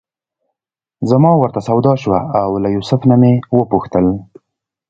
زما ورته سودا شوه او له یوسف نه مې وپوښتل.